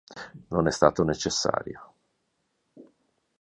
Non è stato necessario.